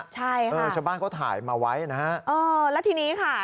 ใช่ค่ะเออชาวบ้านเขาถ่ายมาไว้นะฮะเออแล้วทีนี้ค่ะ